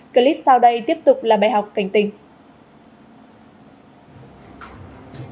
clip sau đây tiếp tục là bài học cảnh tình